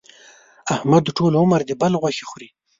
احمد ټول عمر د بل غوښې خوري.